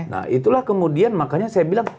nah itulah kemudian makanya saya bilang